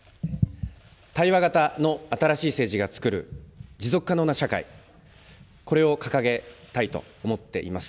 対話型の新しい政治が創る持続可能な社会、これを掲げたいと思っています。